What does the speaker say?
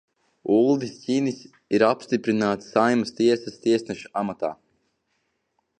Uldis Ķinis ir apstiprināts Saeimas tiesas tiesneša amatā.